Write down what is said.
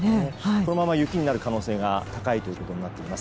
このまま雪になる可能性が高いということになっています。